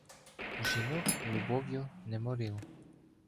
Жінок любов'ю не морив.